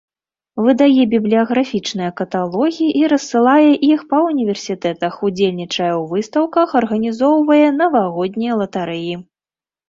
Выдае бібліяграфічныя каталогі і рассылае іх па універсітэтах, удзельнічае ў выстаўках, арганізоўвае навагоднія латарэі.